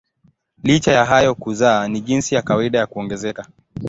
Licha ya hayo kuzaa ni jinsi ya kawaida ya kuongezeka.